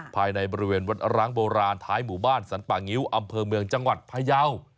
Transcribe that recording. ภายในบริเวณวัดร้างโบราณท้ายหมู่บ้านสรรป่างิ้วอำเภอเมืองจังหวัดพยาว